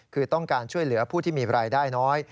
คือต้องการช่วยเหลือผู้ที่มีรายได้น้อย